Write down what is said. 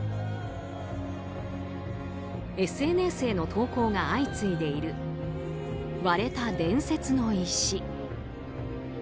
ＳＮＳへの投稿が相次いでいる割れた伝説の石。